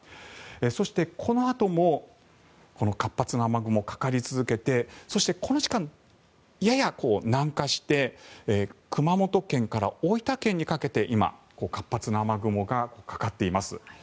そして、このあともこの活発な雨雲がかかり続けてそして、この時間やや南下して熊本県から大分県にかけて今、活発な雨雲がかかっています。